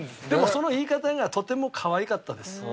でもその言い方がとても可愛かったです。